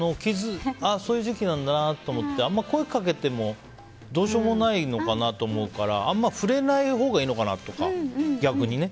そういう時期なんだなと思ってあんまり声かけてもどうしようもないのかなと思うからあんま触れないほうがいいのかなと、逆にね。